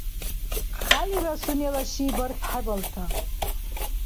Хялира сунела ши бархьхебалта.